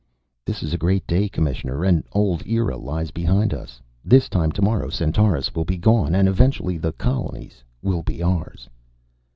"This is a great day, Commissioner. An old era lies behind us. This time tomorrow Centaurus will be gone. And eventually the colonies will be ours."